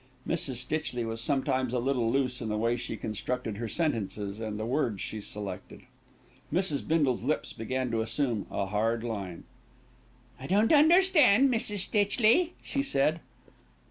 '" Mrs. Stitchley was sometimes a little loose in the way she constructed her sentences and the words she selected. Mrs. Bindle's lips began to assume a hard line. "I don't understand, Mrs. Stitchley," she said.